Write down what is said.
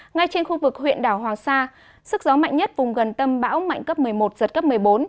ngay trên khu vực huyện đảo hoàng sa sức gió mạnh nhất vùng gần tâm bão mạnh cấp một mươi một giật cấp một mươi bốn